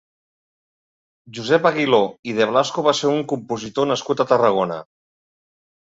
Josep Aguiló i de Blasco va ser un compositor nascut a Tarragona.